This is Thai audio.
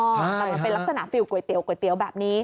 แต่มันเป็นลักษณะฟิลก๋วก๋วยเตี๋ยวแบบนี้